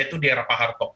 itu di era pak harto